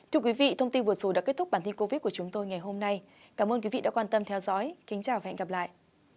thưa quý vị thông tin vừa rồi đã kết thúc bản tin covid của chúng tôi ngày hôm nay cảm ơn quý vị đã quan tâm theo dõi kính chào và hẹn gặp lại